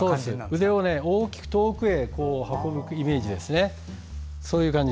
腕を大きく、遠くへ運ぶイメージです。